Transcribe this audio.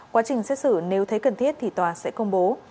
quá trình xét xử nếu thấy cần thiết thì tòa sẽ công bố